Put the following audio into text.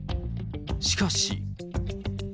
しかし。